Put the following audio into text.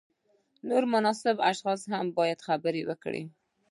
نور مناسب اشخاص هم باید خبر کړي.